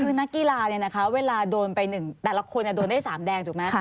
คือนักกีฬาเนี่ยนะคะเวลาโดนไป๑แต่ละคนโดนได้๓แดงถูกไหม